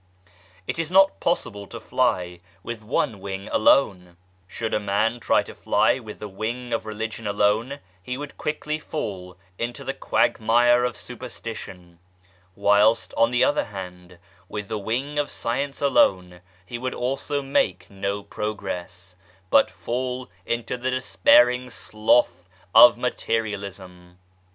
It is not possible to fly with one wing alone 1 Should a man try to fly with the wing of Religion alone he would quickly fall into the quagmire of superstition, whilst on the other RELIGION AND SCIENCE 133 hand, with the wing of Science alone he would also make no progress, but fall into the despairing slough of materialism.